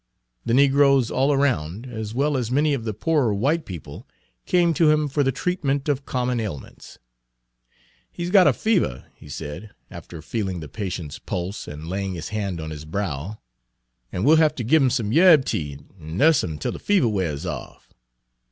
The negroes all around, as well as many of the poorer white people, came to him for the treatment of common ailments. "He's got a fevuh," he said, after feeling the patient's pulse and laying his hand on his brow, "an' we 'll hefter gib 'im some yarb tea an' nuss 'im tel de fevuh w'ars off.